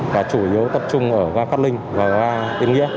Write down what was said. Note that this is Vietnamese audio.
và chủ yếu tập trung ở ga cát linh và ga yên nghĩa